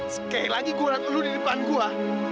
sekali lagi gue lihat lo di depan gue